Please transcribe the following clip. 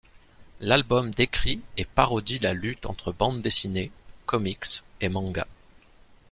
L'album décrit et parodie la lutte entre bande dessinée, comics et manga.